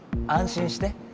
安心して。